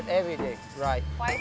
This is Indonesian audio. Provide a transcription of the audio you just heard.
lima kata setiap hari